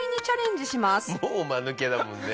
もうマヌケだもんね。